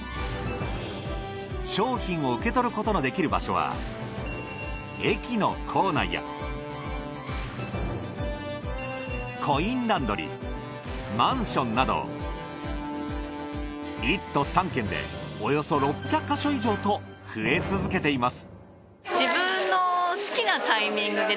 商品を受け取ることのできる場所は駅の構内やコインランドリーマンションなど１都３県でおよそ６００ヵ所以上と増え続けています。